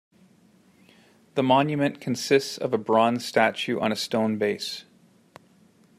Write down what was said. The monument consists of a bronze statue on a stone base.